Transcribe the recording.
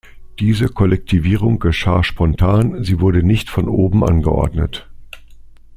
Diese Kollektivierung geschah spontan, sie wurde nicht von oben angeordnet.